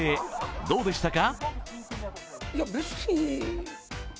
どうでしたか？